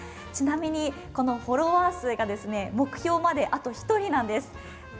ちなみに、フォロワー数が目標まで、あと１人なんです。